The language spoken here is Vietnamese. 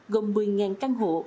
gồm một mươi căn hộ